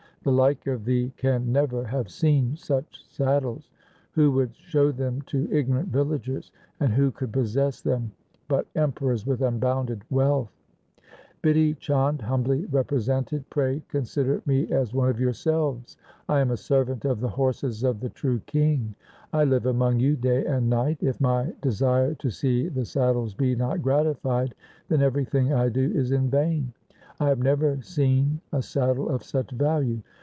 The like of thee can never have seen such saddles. Who would show them to ignorant villagers ? And who could possess them but emperors with unbounded wealth ?' Bidhi Chand humbly represented, ' Pray consider me as one of yourselves. I am a servant of the horses of the true King. I live among you day and night. If my desire to see the saddles be not gratified, then everything I do is in vain. I have never seen a saddle of such value.